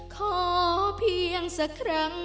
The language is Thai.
ขอเพียงสักครั้ง